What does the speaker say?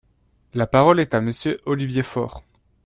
La parole est à Monsieur Olivier Faure.